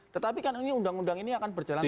tetapi kan ini undang undang ini akan berjalan terus